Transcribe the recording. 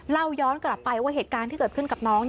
เล่าย้อนกลับไปว่าเหตุการณ์ที่เกิดขึ้นกับน้อง